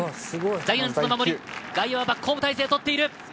ジャイアンツの守り外野はバックホーム態勢を取っている。